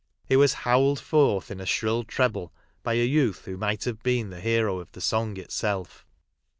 It was howled forth, in a shrill treble, by a youth who might have been the hero of the song itself.